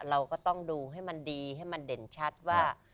เราก็ต้องดูให้มันดีให้มันเด่นชัดว่า